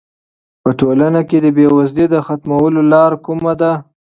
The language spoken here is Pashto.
په ټولنه کې د بې وزلۍ د ختمولو لاره کومه ده؟